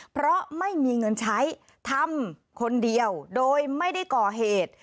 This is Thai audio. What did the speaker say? เพราะไม่มีเงินใช้ทำคนเดียวโดยไม่ได้ก่อเหตุ